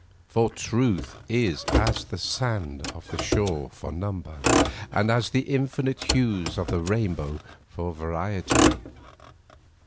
For Truth is as the sand of the shore for number, and as the infinite hues of the rainbow for variety.